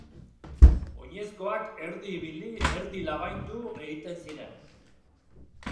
Oinezkoak erdi ibili, erdi labaindu egiten ziren.